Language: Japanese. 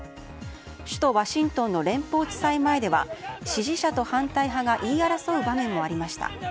首都ワシントンの連邦地裁前では支持者と反対派が言い争う場面もありました。